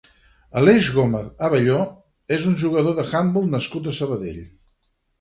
Aleix Gómez Abelló és un jugador d'handbol nascut a Sabadell.